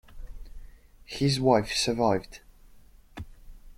His wife survived.